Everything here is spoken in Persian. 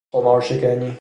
خمار شکنی